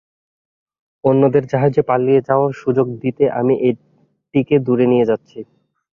অন্যদের জাহাজে পালিয়ে যাওয়ার সুযোগ দিতে আমি এটিকে দূরে নিয়ে যাচ্ছি।